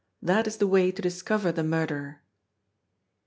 That is the way to discover the murderer.''